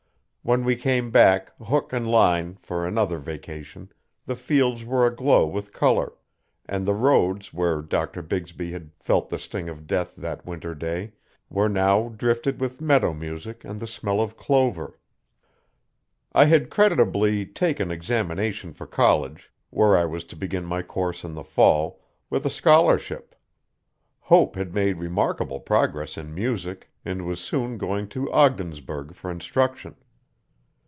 When we came back, 'hook an' line', for another vacation, the fields were aglow with colour, and the roads where Dr Bigsby had felt the sting of death that winter day were now over drifted with meadow music and the smell of clover. I had creditably taken examination for college, where I was to begin my course in the fall, with a scholarship. Hope had made remarkable progress in music and was soon going to Ogdensburg for instruction.